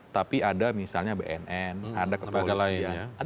tapi ada misalnya bnn ada kepolisian